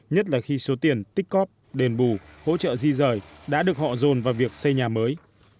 nhất là khi số tiền tích cóp đền bù hỗ trợ di rời đã được họ dồn vào việc xây nhà mới